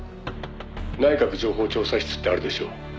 「内閣情報調査室ってあるでしょ？」